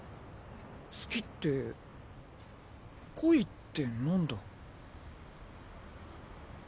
好きって恋って何だ？